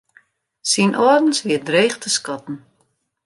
Syn âldens wie dreech te skatten.